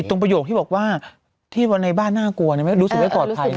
ติดตรงประโยคที่บอกว่าที่ว่าในบ้านน่ากลัวน่ะไหมรู้สึกว่าปลอดภัย